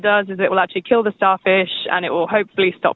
dan semoga mereka tidak terlalu banyak